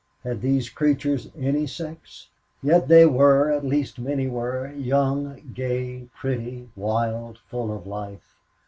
Had these creatures any sex? Yet they were at least many were young, gay, pretty, wild, full of life.